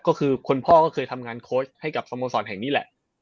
ก็คือคนพ่อก็เคยทำงานโค้ชให้กับสโมสรแห่งนี้แหละ